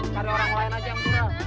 cari orang lain aja udah